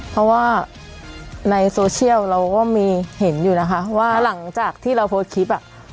เพราะว่าในโซเชียลเราก็มีเห็นอยู่นะคะว่าหลังจากที่เราโพสต์คลิปอ่ะ